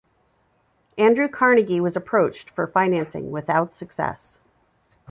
Andrew Carnegie was approached for financing without success.